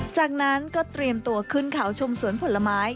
จากนั้นก็เตรียมตัวขึ้นเขาชมสวนผลไม้